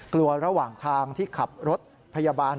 ระหว่างทางที่ขับรถพยาบาล